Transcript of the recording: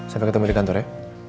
siapa ketemu di kantor ya